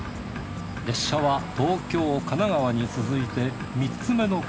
列車は東京神奈川に続いて３つ目の県